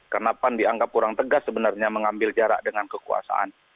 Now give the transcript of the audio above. karena pan dianggap kurang tegas sebenarnya mengambil jarak dengan kekuasaan